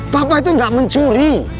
papa itu gak mencuri